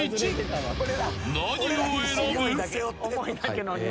［何を選ぶ？］